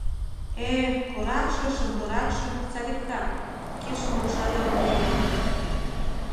— Э-э, коракше, шемкоракше — садиктак! — кидшым лупшале Ондри Япык.